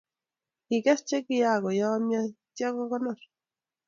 Kikes che ki kako yamyo itya ko konor